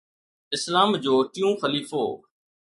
اسلام جو ٽيون خليفو